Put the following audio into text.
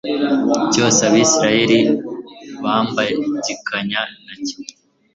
cyose Abisirayeli bambangikanya na cyo